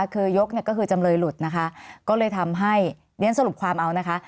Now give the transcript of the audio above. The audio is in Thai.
คือยกเนี่ยก็คือจำเลยหลุดนะคะก็เลยทำให้เรียนสรุปความเอานะคะ